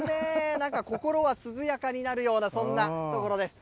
なんか心が涼やかになるような、そんな所です。